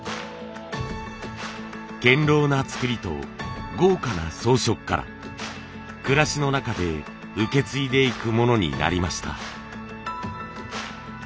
堅ろうなつくりと豪華な装飾から暮らしの中で受け継いでいくものになりました。